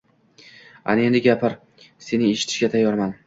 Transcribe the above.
ana endi gapir, seni eshitishga tayyorman.